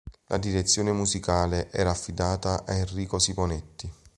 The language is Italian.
La direzione musicale era affidata a Enrico Simonetti.